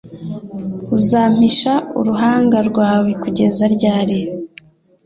Uzampisha uruhanga rwawe kugeza ryari?